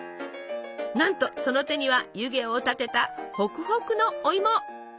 なんとその手には湯気を立てたホクホクのおいも！